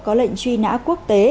có lệnh truy nã quốc tế